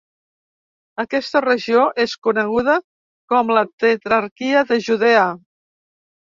Aquesta regió és coneguda com la tetrarquia de Judea.